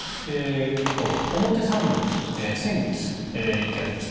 表参道で先月１件ありました。